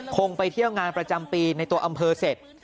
ไปเที่ยวงานประจำปีในตัวอำเภอเสร็จ